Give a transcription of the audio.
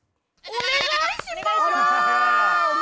お願いします！